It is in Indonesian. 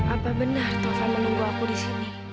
apa benar tova menunggu aku di sini